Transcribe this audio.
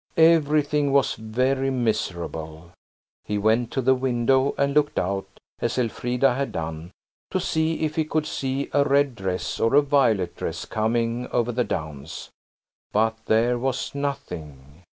Everything was very miserable. He went to the window and looked out, as Elfrida had done, to see if he could see a red dress or a violet dress coming over the downs. But there was nothing.